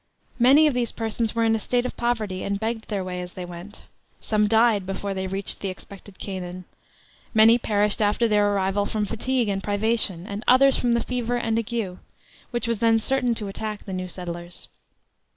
... Many of these persons were in a state of poverty, and begged their way as they went. Some died before they reached the expected Canaan; many perished after their arrival from fatigue and privation; and others from the fever and ague, which was then certain to attack the new settlers.